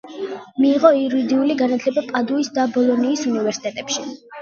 მიიღო იურიდიული განათლება პადუის და ბოლონიის უნივერსიტეტებში.